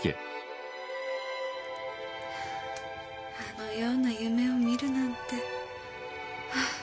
あのような夢を見るなんて。